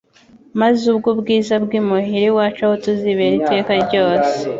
Maze ubwo ubwiza bw’imuhira iwacu aho tuzibera iteka ryose